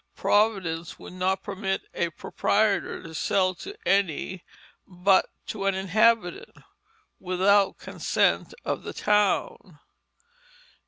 Providence would not permit a proprietor to sell to any "but to an Inhabitant" without consent of the town.